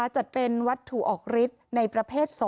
จัดเป็นวัตถุออกฤทธิ์ในประเภท๒